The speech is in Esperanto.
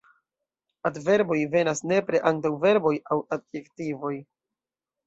Adverboj venas nepre antaŭ verboj aŭ adjektivoj.